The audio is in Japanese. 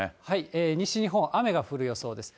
西日本、雨が降る予想です。